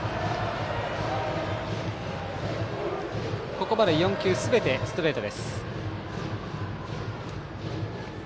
ここまで４球すべてストレート。